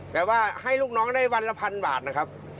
แต่ว่าให้ลูกน้องได้วันละพันบาทนะครับ